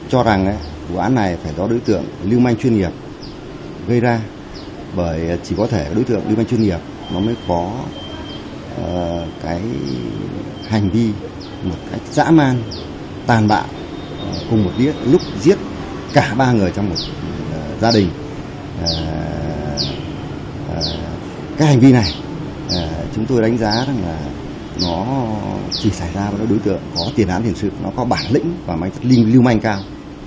cả ba người trong một gia đình các hành vi này chúng tôi đánh giá rằng là nó chỉ xảy ra với đối tượng có tiền án thiền sự nó có bản lĩnh và lưu manh cao